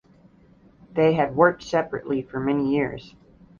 They had worked separately for many years.